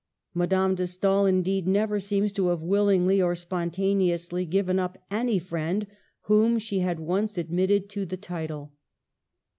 Madame de Stael, indeed, never seems to have willingly or spontaneously given up any friend whom she had once admitted to the title.